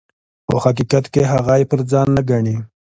په حقیقت کې هغه یې پر ځان نه ګڼي.